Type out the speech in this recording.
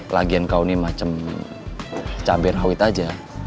lagian kau ini seperti cabai rawit saja